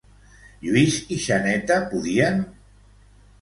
Lluís i Xaneta podien?